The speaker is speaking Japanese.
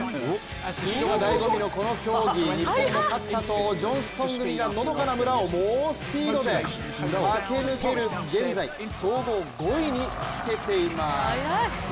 スピードがだいご味のこの競技、日本の勝田とジョンストン組がのどかな村を猛スピードで駆け抜ける現在、総合５位につけています。